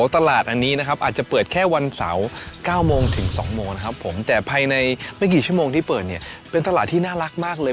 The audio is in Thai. แต่ภายในเมื่อกี่ชั่วโมงที่เปิดเนี่ยเป็นตลาดที่น่ารักมากเลย